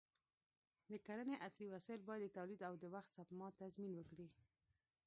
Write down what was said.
د کرنې عصري وسایل باید د تولید او د وخت سپما تضمین وکړي.